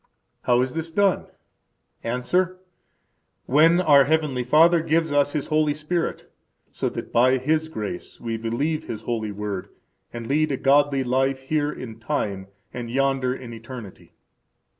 How is this done? –Answer: When our heavenly Father gives us His Holy Spirit, so that by His grace we believe His holy Word and lead a godly life here in time and yonder in eternity.